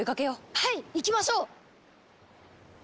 はい行きましょう！